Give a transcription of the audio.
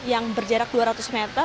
yang berjarak dua ratusan juta meter